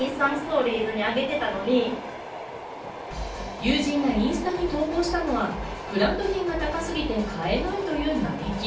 友人がインスタに投稿したのは、ブランド品が高すぎて買えないという嘆き。